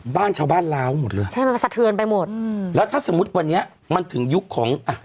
บ้านชาวบ้านล้าวหมดเลยใช่มันสะเทือนไปหมดอืมแล้วถ้าสมมุติวันนี้มันถึงยุคของอ่ะ